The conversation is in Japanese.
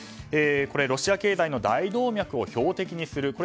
ロシア経済の大動脈を標的にする。